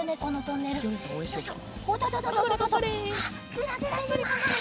ぐらぐらします。